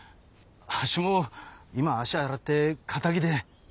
あっしも今は足洗って堅気で。